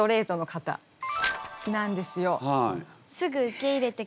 そうなんですよ。